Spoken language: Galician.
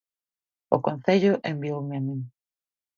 O concello envioume a min.